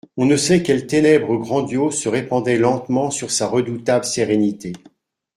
On ne sait quelles ténèbres grandioses se répandaient lentement sur sa redoutable sérénité.